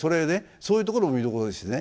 そういうところも見どころですしね。